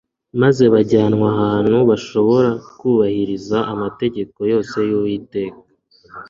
maze bajyanwa ahantu bashoboraga kubahiriza amategeko yose yUwiteka